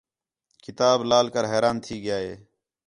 کتاب لال کر حیران تھی ڳِیا ہِے